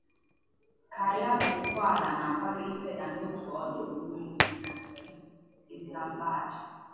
ka yabụ ụgbọelu na-akwado ifeda n’otu ọdụ ụgbọelu dị na Islamabad